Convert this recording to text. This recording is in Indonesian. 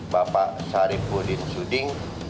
bapak saripudin suding